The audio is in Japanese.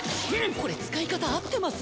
これ使い方あってます？